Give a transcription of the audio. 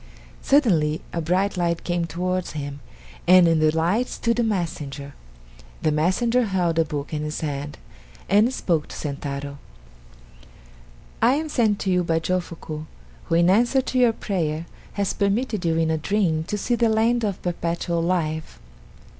Suddenly a bright light came towards him, and in the light stood a messenger. The messenger held a book in his hand and spoke to Sentaro: "I am sent to you by Jofuku, who in answer to your prayer, has permitted you in a dream to see the land of Perpetual Life.